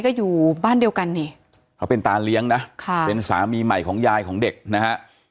ก็อยู่บ้านเดียวกันนี่เขาเป็นตาเลี้ยงนะค่ะเป็นสามีใหม่ของยายของเด็กนะฮะ